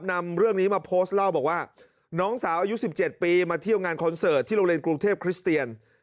นำเรื่องนี้มาโพสต์เล่าบอกว่าน้องสาวอายุ๑๗ปีมาเที่ยวงานคอนเสิร์ตที่โรงเรียนกรุงเทพคริสเตียน